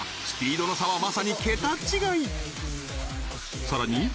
スピードの差はまさに桁違いさらに